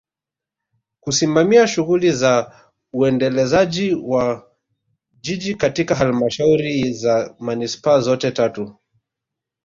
Kusimamia shughuli za uendelezaji wa Jiji katika Halmashauri za Manispaa zote tatu